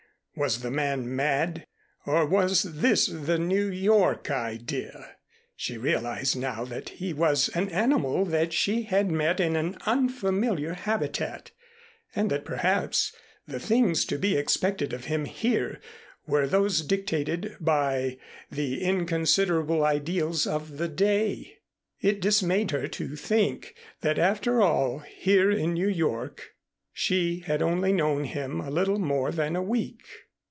Was the man mad? Or was this the New York idea? She realized now that he was an animal that she had met in an unfamiliar habitat, and that perhaps the things to be expected of him here were those dictated by the inconsiderable ideals of the day. It dismayed her to think that after all here in New York, she had only known him a little more than a week.